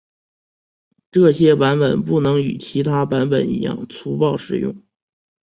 这些版本不能与其他版本一样粗暴使用。